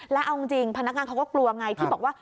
แล้วเอาจริงพนักงานเขาก็กลัวไงที่บอกว่า